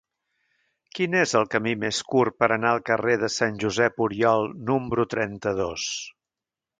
Quin és el camí més curt per anar al carrer de Sant Josep Oriol número trenta-dos?